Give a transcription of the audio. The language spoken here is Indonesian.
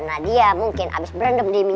apa kamu mau kita ke mulet anda